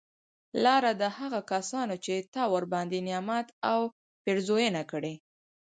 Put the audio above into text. لاره د هغه کسانو چې تا ورباندي نعمت او پیرزونه کړي